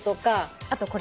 あとこれ。